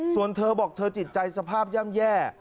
ส่วนเธอบอกเธอจิตใจสภาพย่ำแย่